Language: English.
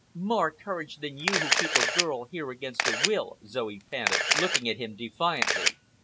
"More courage than you who keep a girl here against her will!" Zoe panted, looking at him defiantly.